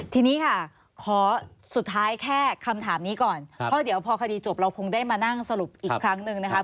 ทีนี้ค่ะขอสุดท้ายแค่คำถามนี้ก่อนเพราะเดี๋ยวพอคดีจบเราคงได้มานั่งสรุปอีกครั้งหนึ่งนะคะ